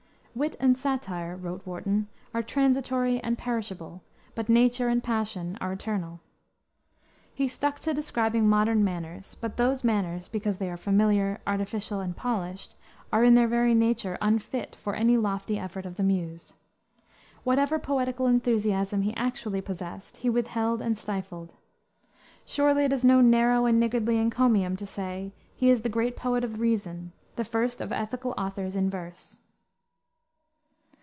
"Wit and satire," wrote Warton, "are transitory and perishable, but nature and passion are eternal. ... He stuck to describing modern manners; but those manners, because they are familiar, artificial, and polished, are, in their very nature, unfit for any lofty effort of the Muse. Whatever poetical enthusiasm he actually possessed he withheld and stifled. Surely it is no narrow and niggardly encomium to say, he is the great Poet of Reason, the first of Ethical authors in verse."